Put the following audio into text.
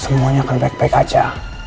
semuanya akan baik baik aja